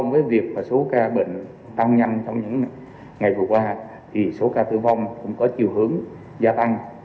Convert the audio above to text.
vì số ca tử vong tăng nhanh có chiều hướng gia tăng